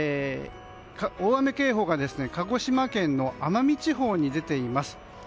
大雨警報が鹿児島県の奄美地方に出ています。